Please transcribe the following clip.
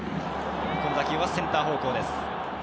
この打球はセンター方向です。